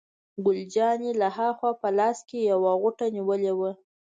ګل جانې له ها خوا په لاس کې یوه غوټه نیولې وه.